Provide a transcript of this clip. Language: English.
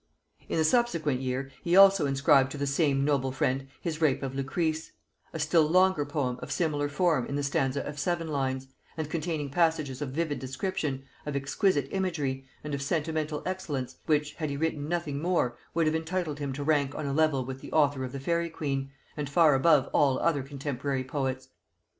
In the subsequent year he also inscribed to the same noble friend his Rape of Lucrece, a still longer poem of similar form in the stanza of seven lines, and containing passages of vivid description, of exquisite imagery, and of sentimental excellence, which, had he written nothing more, would have entitled him to rank on a level with the author of the Faery Queen, and far above all other contemporary poets.